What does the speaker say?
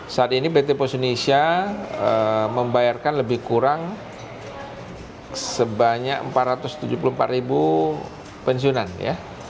saat ini pt pos indonesia membayarkan lebih kurang sebanyak empat ratus tujuh puluh empat pensiunan ya